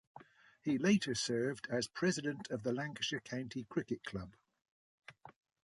He later served as president of the Lancashire County Cricket Club.